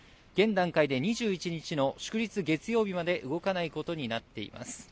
現段階で２１日の祝日、月曜日まで動かないことになっています。